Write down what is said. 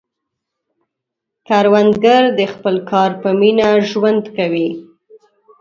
کروندګر د خپل کار په مینه ژوند کوي